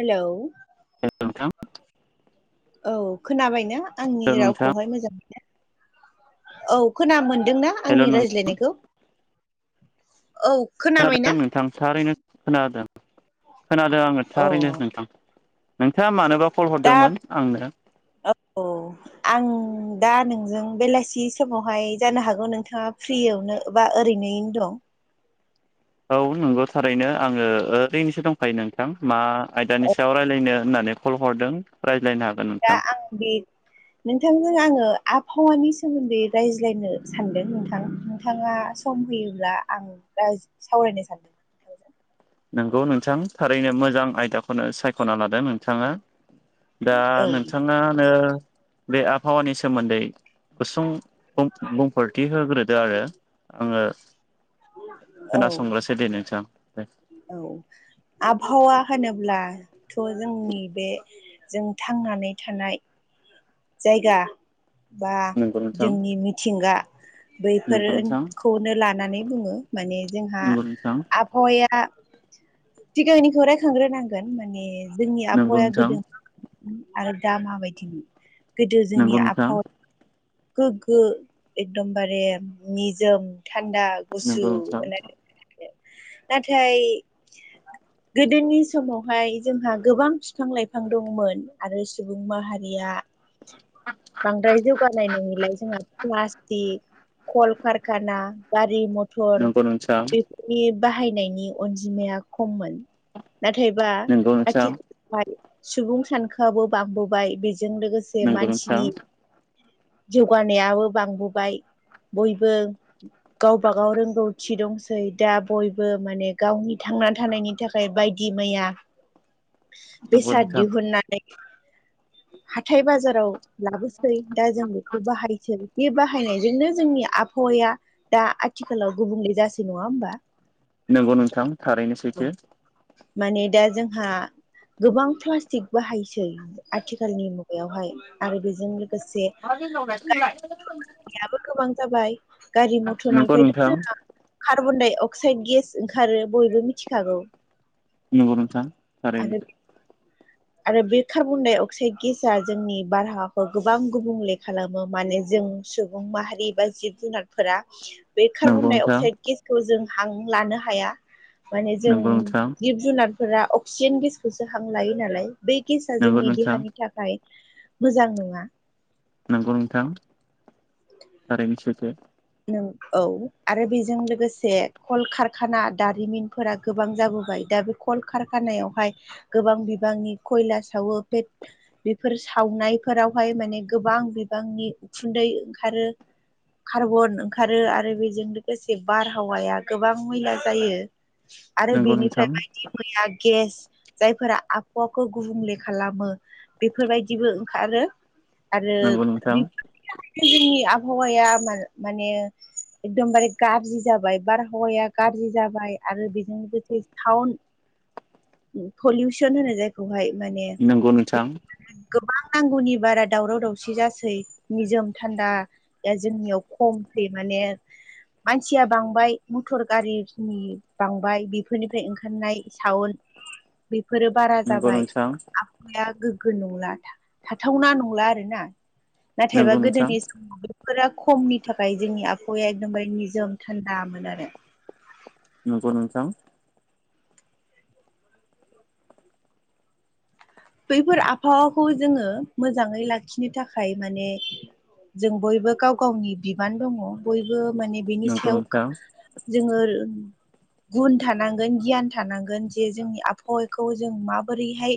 Hello. Hello नोंथां। औ खोनाबायना आंनि हेल' नोंथां रावखौहाय मोजां औ खोना मोनदोंना हेल' आंनि नों रायज्लायनायखौ औ। खोनादों खोनाबायना नोंथां थारैनो खोनादों खोनादों आङो अ थारैनो नोंथां। नोंथाङा मानोबा कल दा हरदोंमोन आंनो औ। आं दा नोंजों बेलासि समावहाय जानो हागौ नोंथाङा फ्रियावनो बा ओरैनोयैनो दं। औ नंगौ थारैनो आङो ओरैनोसो दंखायो नोंथां मा आयदानि दं सायाव रायज्लायनो होननानै कल हरदों रायज्लायनो हा दा आं बे नोंथांजों आङो आबहावानि सोमोन्दै रायज्लायनो सानदों नोंथां नोंथाङा सम होयोब्ला आं दा सावरायनो सानदों। नोंगौ नोंथां थारैनो मोजां आयदाखौनो सायख'ना लादों नोंथाङा। दा औ नोंथाङानो बे आबहावानि सोमोन्दै गुसुं बुंफोरथि होग्रोदो आरो। आङो औ खोनासंग्रोसै दे नोंथां औ। आबहावा होनोब्लाथ' जोंनि बे जों थांनानै थानाय जायगा बा नंगौ नोंथां जोंनि मिथिंगा नंगौ नोंथां बैफोरफोरखौ नो लानानै बुङो माने जोंहा नंगौ नोंथां आबहावाया सिगांनिखौ रायखांग्रोनांगोन माने जोंनि नंगौ आबहावाया नोंथां गोदो आरो दा माबायदिनि गोदो नंगौ जोंनि नोंथां आबहावा गोगो एकदमबारे निजोम थान्दा नंगौ गुसु नोंथां मोननाय [unintelligible] नाथाय गोदोनि समावहाय जोंहा गोबां बिफां लाइफां दंमोन आरो सुबुं माहारिया बांग्राय जोगानाय नुयोलाय जोङा प्लासटिक कलकारखाना गारि म टर नंगौ नोंथां बेफोरनि बाहायनायनि अनजिमाया खममोन। नाथायबा नंगौ नोंथां आथिखालावहाय सुबुं सानखोआबो बांबोबाय बेजों लोगोसे जे नंगौ नोंथां मानसिनि जौगानायाबो बांबोबाय बयबो गावब गाव रोंगौथि दंसै दा बयबो माने गावनि थांनानै थानायनि थाखाय बायदि मैया नंगौ बेसाद नोंथां दिहुननाय हाथाय बाजाराव लाबोसै दा जों बेखौ बाहायसै बे बाहायनायजोंनो जोंनि आबहावाया दा आथिखालाव गुबुंले जासै नङा ओमबा? नंगौ नोंथां थारैनो सैथो। माने दा जोंहा गोबां प्लास्टिक बाहायसै आथि मुगायावहाय आरो बेजों लोगोसे [unintelligible] गारियासो गोबां जाबाय गारि नंगौ मटरनिफ्रायथ' नोंथां जोहा कार्बन-डाइ-अक्साइड गेस ओंखारो बयबो मिथिखागौ। नंगौ नोंथां आरो थारैनो। आरो बे कार्बन-डाइ-अक्साइड गेसा जोंनि बारहावाखौ गोबां गुबुंले खालामो माने जों सुबुं माहारि बा जिब -जुनारफोरा बे नंगौ नोंथां कार्बन-डाइ-अक्साइड गेसखौ जों हां लानो हाया माने जों नंगौ नोंथां जिब जुनारफोरा अक्सिजेन गेसखौसो हां लायो नालाय बै गेसा नंगौ जोंनि नोंथां देहानि थाखाय मोजां नङा। नंगौ नोंथां थारैनो सैथो। नों औ आरो बेजों लोगोसे कल खारखाना दारिमिनफोरा गोबां जाबोबाय दा बे कल खारखानायावहाय गोबां बिबांनि खयला सावो बे बेफोर सावनायफोरावहाय माने गोबां बिबांनि उखुन्दै ओंखारो। कार्बन ओंखारो आरो बेजों लोगोसे बारहावाया गोबां मैला जायो। आरो नंगौ नोंथां बेनिफ्राय बायदि मैया गेस जायफोरा आबहावाखौ गुबुंले खालामो बेफोरबायदिबो ओंखारो आरो नंगौ नोंथां बे जोंनि आबहावाया माने एकदमबारे गाज्रि जाबाय बारहावाया गाज्रि जाबाय आरो बेजों लोगोसे टाउन पलिउसन होनाय जायखौहाय माने नंगौ नोंथां गोबां नांगौनि बारा दावराव दावसि जासै निजोम थान्दा जोंनियाव औ दे माने मानसिया बांबाय मटर गारिनि बांबाय बेफोरनिफ्राय ओंखारनाय साउन्ड बेफोरो बारा नंगौ जाबाय। नोंथां गोग्गो नंला थाथावना नंला आरो ना नाथायबा नंगौ नोंथां गोदोनि समाव फोर खमनि थाखाय जोंनि आबहावाया एखदमबारे निजोम थान्दामोन आरो। नंगौ नोंथां। बैफोर आबहावाखौ जोंङो मोजांङै लाखिनो थाखाय माने जों बयबो गाव गावनि बिबान दङ बयबो माने बिनि नंगौ सेल्फ नोंथां जोंङो गुन थानांगोन गियान थानांगोन जे जोंनि आबहावाखौ जों माबोरैहाय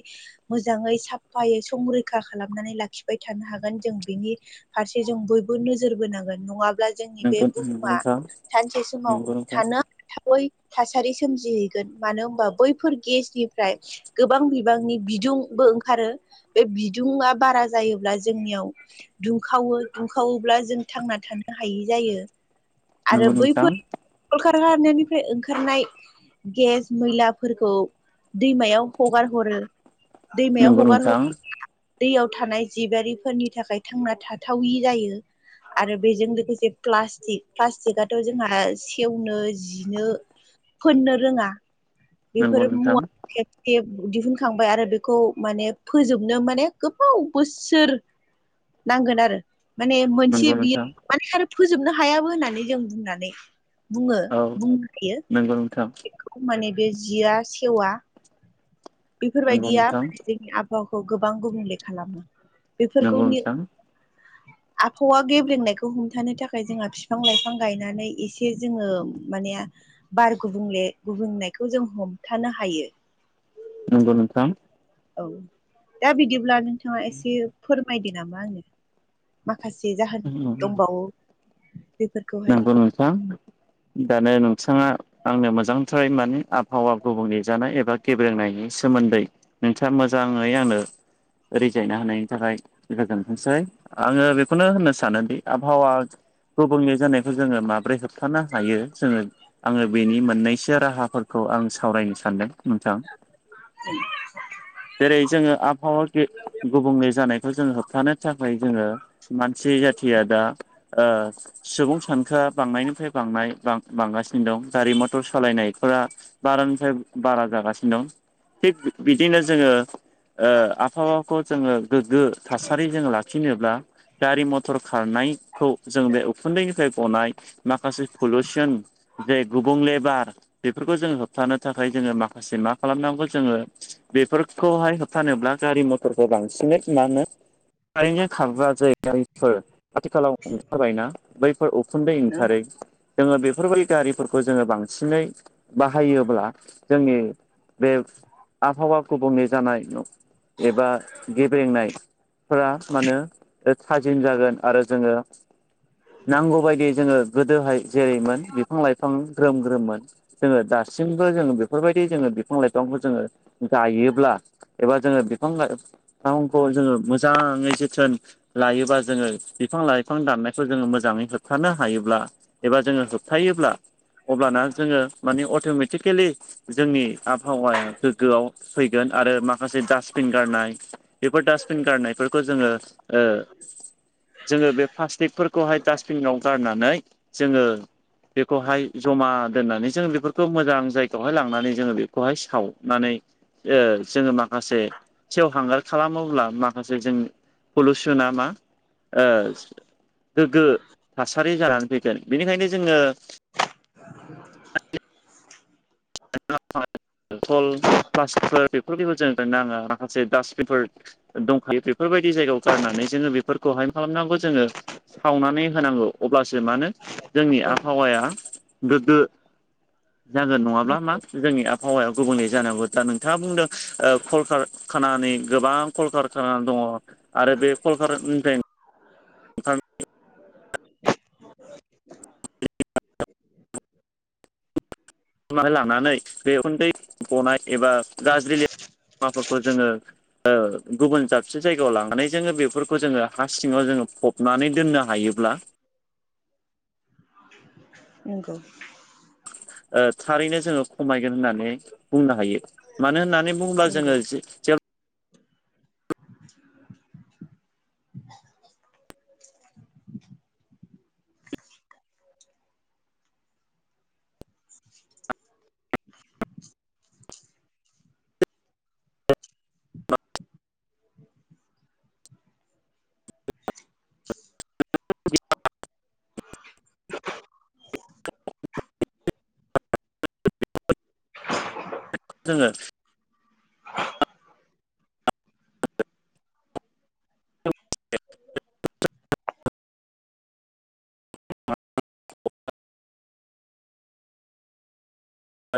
मोजाङै साफायै संरैखा खालामनानै लाखिबाय थानो हागोन जों बेनि फारसे जों बयबो नोजोर बोनांगोन नङाब्ला जोंनि बे नंगौ नंगौ बुहुमा नोंथां सानसे समाव नंगौ नोंथां थानो थावै थासारि सोमजिहैगोन मानो होनबा बैफोर गेसनिफ्राय गोबां बिबांनि बि बिदुंबो ओंखारो बे बिदुुंआ बारा जायोब्ला जोंनियाव दुंखावो दुंखावोब्ला जों थांना थानो हायै जायो। आरो नंगौ नोंथां बैफोरल खारनायनिफ्राय ओंखारनाय गेस मैलाफोरखौ दैमायाव हगार हरो। दैमायाव नंगौ हगार नोंथां हगानायाव दैयाव थानाय जिबारिफोरनि थाखाय थांना थाथावि जायो। आरो बेजों लोगोसे प्लास्टिक प्लास्टिकआथ' जोंहा सेवनो जिनो फोननो रोङा नंगौ बेफोर नोंथां मुवा खेबसेे दिहुनखांबाय आरो बेखौ माने फोजोबनो माने गोबाव बोसो सोर नांगोन आरो। माने मोनसे नंगौ बियो नोंथां माने आरो फोजोबनो हायाबो होननानै जों बुंनानै बुङो बुंनो हायो। नोंगौ नोंथां। खौ माने बे जिया सेवा। नंगौ बिफोरबायदिया नोंथां माने जोंनि आबहावाखौ गोबां गुबुंले खालामो। बिफोरखौ नंगौ नि नोंथां [inaudible] आबहावा गेब्रेंनायखौ हमथानो थाखाय जोंहा फिफां लाइफां गायनानै इसे जोंङो मानेआ बार गुबुंले गुबुंनायखौ जों हमथानो हायो। नोंगौ नोंथां। औ दा बिदिब्ला नोंथांङा एसे फोरमायदो नामा आंनो। माखासे जाहोन दंबावो बेफोर नोंगौ नोंथां दानो नोंथाङा आंनो मोजांथ्राय माने आब हावा गुबुंले जानाय एबा गेब्रेंनायनि सोमोन्दै नोंथाङा मोजाङै आंनो रिजायनो होनायनि थाखाय गोजोन्थोंसै। आंङो बेखौनो होननो सानोदि आबाहावा गुबुंले जानायखौ जोङो माब्रै होबथानो हायो जोङो आंङो बेनि मोननैसो राहाफोरखौ आं सावरायनो सानदों नोंथां। [unintelligible] जेरै जोङो आबाहावा गे गुबुंले जानायखौ जों होबथानो थाखाय जोंङो मानसि जाथिया दा ओ सुबुं सानखोआ बांनायनिफ्राय बांनाय बां बांगासिनो दं। गारि मटर सालायनायफोरा बारानिफ्राय बारा जागासिनो दं। थिग बिदिनो जोङो ओ आबहावाखौ जोङो गोग्गो थासारि जों लाखिनोब्ला गारि मथर खारनायखौ जों बे उखुन्दैनिफ्राय गनाय माखासे पुलुसन जे गुबुंले बार बेफोरखौ जोङो होबथानो थाखाय जोङो माखासे मा खालामनांगौ जोङो बेफोरखौहाय होबथानोब्ला गारि मथरखौ बांसिनै मा होनो कारेनजों खारग्रा जे गारिफोर आथिखालाव ओंखारबायना बैफोर उखुन्दै औ ओंखारो जोङो बेफोरबायदि गारिफोरखौ जोङो बांसिनै बाहायोब्ला जोंनि बे आबहावा गुबुंले जानाय न' एबा गेबेंनाय फोरा मानो ओ थाजिम जागोन आरो जोङो नांगौ बायदियै जोङो गोदोहाय जेरैमोन बिफां लाइफां ग्रोम ग्रोममोन जोङो दासिमबो जोङो बेफोरबायदि जोङो बिफां लाइफांखौ जोङो गायोब्ला एबा जोङो बिफां लाइफांखौ जोङो मोस जाङै जोथोन लायोबा जोङो बिफां लाइफां दाननाय खौ जोङो मोजाङै होबथानो हायोब्ला एबा जोङो होबथायोब्ला अब्लाना जोङो माने अट'मेटिकेलि जोंनि आबहावाया गोग्गोआव फैगोन आरो माखासे दडास्टबिन गारनाय बेफोर डास्टबिन गारनायफोरखौ जोङो ओ जोङो बे फास खौहाय डासटबिनाव गारनानै जोङो बेखौहाय जमा दोननानै जों बेफोरखौ मोजां जायगायावहाय लांनानै जोङो बेखौहाय सावनानै ओ जोङो माखासे सेवहांगार खालामोब्ला माखासे जों पलुसोना मा ओ गोग्गो थासारि जानानै फैगोन। बेनिखायनो जोङो [inaudible] [unintelligible] माखासे दास्टबिनफोर दंखायो बेफोरबायदि जायगायाव गारनानै जोङो बेफोरखौहाय खालामनांगौ जोङो सावनानै होनांगौ अब्लासो मानो जोंनि आबहावाया गोग्गो जागोन नङाब्ला मा जोंनि आबहावाया गुबुंले जानांगौ दा नोंथाङा बुंदों ओ कलकार- खानानि गोबां कलकारखाना दङ आरो बे कलकानिफ्राय [inaudible] फुथुमनानै लानानै बे उन्दै गनाय एबा गाज्रि दाखोरखौ जोङो गुबुन जाबसे जायगायाव लांनानै जोङो बेफोरखौ जोङो हा सिङाव जोङो फबनानै दोननो हायोब्ला। नंगौ। थारैनो जोङो खमायगोन होननानै बुंनो हायो। मानो होननानै बुङोब्ला नंगौ जोङो जे [inaudible] जोङो [inaudible]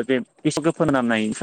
आरो बे गेसाव गोफोन मोननायनायनिफ्राय